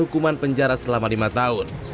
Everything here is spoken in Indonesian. hukuman penjara selama lima tahun